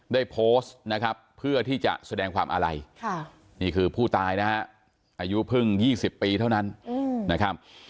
ได้โพสต์นะครับเพื่อที่จะแสดงความอาลัยนี่คือผู้ตายนะฮะอายุเพิ่ง๒๐ปีเท่านั้นนะครับ